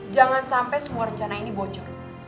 jangan sampai semua rencana ini bocor